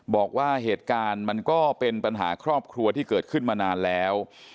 บอกว่าเหตุการณ์มันก็เป็นปัญหาครอบครัวที่เกิดขึ้นมานานแล้ว